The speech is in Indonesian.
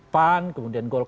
pan kemudian golkar